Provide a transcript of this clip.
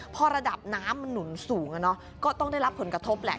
พอระดับน้ำมันหนุนสูงก็ต้องได้รับผลกระทบแหละ